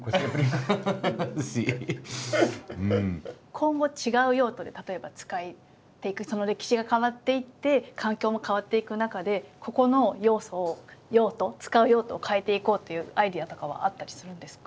今後違う用途で例えば使っていくその歴史が変わっていって環境も変わっていく中でここの用途使う用途を変えていこうっていうアイデアとかはあったりするんですか？